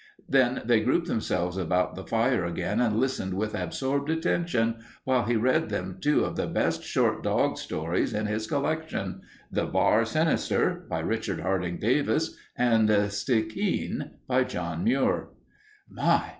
Then they grouped themselves about the fire again and listened with absorbed attention while he read them two of the best short dog stories in his collection "The Bar Sinister," by Richard Harding Davis, and "Stikeen" by John Muir. "My!